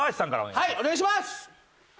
はいお願いします！